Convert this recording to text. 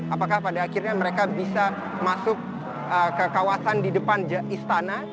apakah pada akhirnya mereka bisa masuk ke kawasan di depan istana